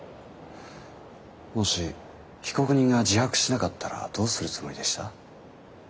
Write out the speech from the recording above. もし被告人が自白しなかったらどうするつもりでした？